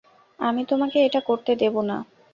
আমি তোমাকে এটা করতে দেবো না।